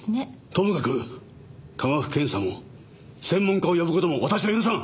ともかく科学検査も専門家を呼ぶ事も私は許さん！